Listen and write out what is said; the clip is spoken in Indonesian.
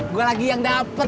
gue lagi yang dapet